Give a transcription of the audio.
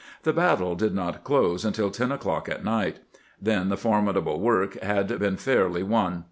The battle did not close until ten o'clock at night. Then the formidable work had been fairly won.